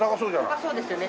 高そうですよね。